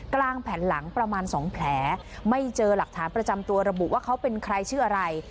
กลางแผ่นหลังประมาณ๒แผลไม่เจอหลักฐานประจำตัวระบุว่าเขาเป็นใครชื่ออะไร